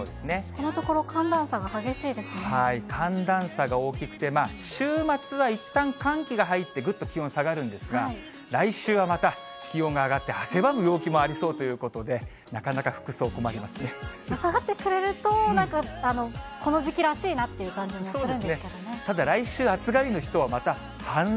このところ、寒暖差が激しい寒暖差が大きくて、週末はいったん寒気が入って、ぐっと気温下がるんですが、来週はまた気温が上がって、汗ばむ陽気もありそうということで、なかなか服装、下がってくれると、なんか、この時期らしいなっていう感じがするんですけどね。